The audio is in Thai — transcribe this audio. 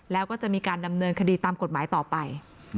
แล้วก็จะมีการดำเนินคดีตามกฎหมายต่อไป